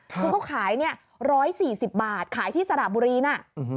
เพราะเขาขาย๑๔๐บาทขายที่สระบุรีนะ